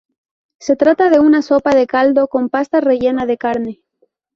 Se trata de una sopa de caldo con pasta rellena de carne.